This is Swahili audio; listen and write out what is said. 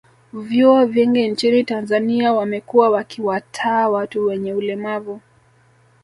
Vyuo vingi nchini Tanzania wamekuwa wakiwataaa watu wenye ulemavu